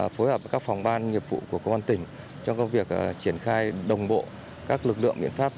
phối hợp với các phòng ban nghiệp vụ của công an tỉnh trong việc triển khai đồng bộ các lực lượng biện pháp